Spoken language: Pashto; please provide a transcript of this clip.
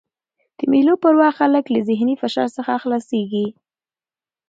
د مېلو پر وخت خلک له ذهني فشار څخه خلاصيږي.